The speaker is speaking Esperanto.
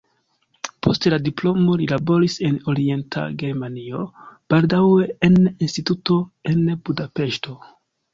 Post la diplomo li laboris en Orienta Germanio, baldaŭe en instituto en Budapeŝto.